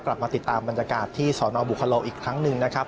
กลับมาติดตามบรรยากาศที่สนบุคโลอีกครั้งหนึ่งนะครับ